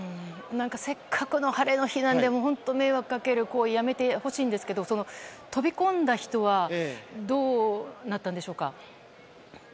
せっかくの晴れの日なので本当、迷惑をかける行為はやめてほしいんですけど飛び込んだ人はどうなったんでしょうか？